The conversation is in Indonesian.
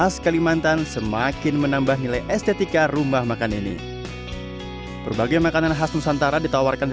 kalimantan semakin menambah nilai estetika rumah makan ini berbagai makanan khas nusantara ditawarkan